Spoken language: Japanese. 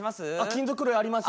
金属類あります。